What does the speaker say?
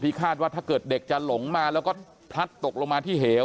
คาดว่าถ้าเกิดเด็กจะหลงมาแล้วก็พลัดตกลงมาที่เหว